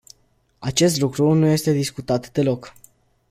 Acest lucru nu este discutat deloc.